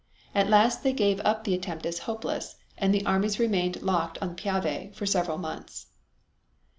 At last they gave up the attempt as hopeless, and the armies remained locked on the Piave for several months.